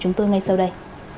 chúng tôi ngay sau đây